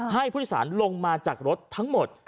ให้ผู้โดยสารลงมาจากรถทั้งหมด